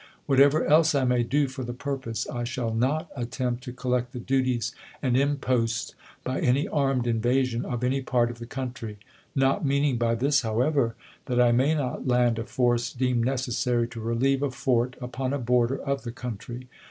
Whatever else I may do for the pur pose, I shall not attempt to collect the duties and imposts by any armed invasion of any part of the country ; not meaning by this, however, that I may not laud a force deemed necessary to relieve a fort upon a border of the country.